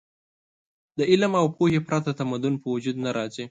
د علم او پوهې پرته تمدن په وجود نه راځي.